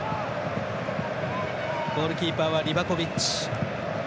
ゴールキーパーはリバコビッチ。